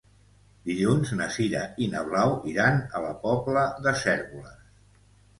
Dilluns na Sira i na Blau iran a la Pobla de Cérvoles.